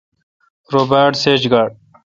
ررو باڑ سیج گار۔